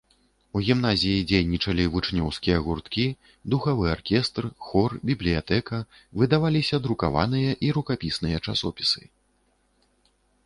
У гімназіі дзейнічалі вучнёўскія гурткі, духавы аркестр, хор, бібліятэка, выдаваліся друкаваныя і рукапісныя часопісы.